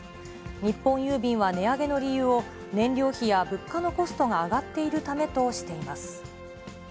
日本郵便は値上げの理由を、燃料費や物価のコストが上がっているためとしています。